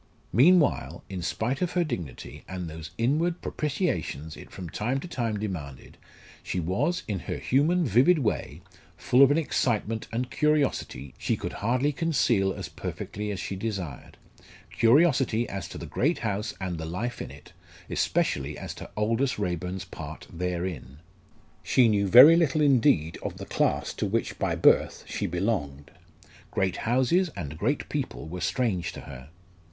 Meanwhile, in spite of her dignity and those inward propitiations it from time to time demanded, she was, in her human vivid way, full of an excitement and curiosity she could hardly conceal as perfectly as she desired curiosity as to the great house and the life in it, especially as to Aldous Raeburn's part therein. She knew very little indeed of the class to which by birth she belonged; great houses and great people were strange to her.